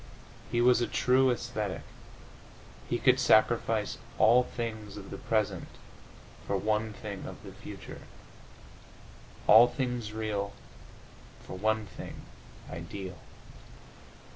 He was a true ascetic. He could sacrifice all things of the present for one thing of the future, all things real for one thing ideal.